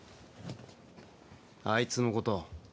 あいつのこと。